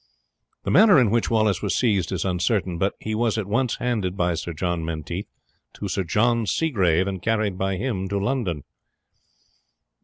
The manner in which Wallace was seized is uncertain; but he was at once handed by Sir John Menteith to Sir John Seagrave, and carried by him to London.